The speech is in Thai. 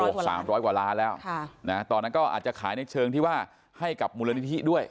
สามร้อยกว่าล้านแล้วค่ะนะตอนนั้นก็อาจจะขายในเชิงที่ว่าให้กับมูลนิธิด้วย